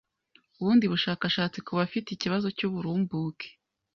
Ubundi bushakashatsi ku bafite ikibazo cy'uburumbuke